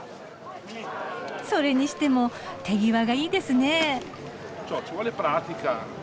それにしても手際がいいですね。